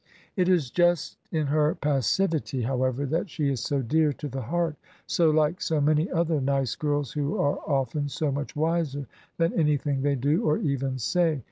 It is just in her passivity, however, that she is so dear to the heart, so like so many other nice girls who are often so much wiser than any thing they do, or even say.